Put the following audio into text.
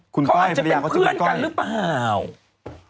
คุณก้อยภรรยาก็ชื่อคุณก้อยเขาอาจจะเป็นเพื่อนกันหรือเปล่า